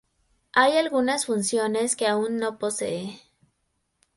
Hay algunas funciones que aún no posee.